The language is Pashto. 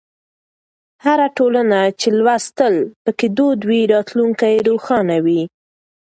هره ټولنه چې لوستل پکې دود وي، راتلونکی یې روښانه وي.